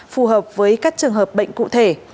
phù hợp với các trường hợp bệnh cụ thể